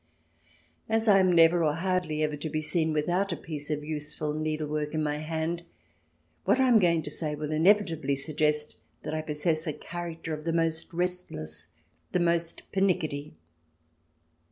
As I am never, or hardly ever, to be seen without a piece of useful needlework in my hand, what I am going to say will inevitably suggest that I possess a character of the most restless, the most pernicketty.